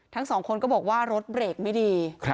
ทั้งสองคนก็บอกว่ารถเบรกไม่ดี